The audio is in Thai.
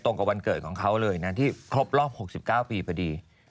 กับวันเกิดของเขาเลยนะที่ครบรอบ๖๙ปีพอดี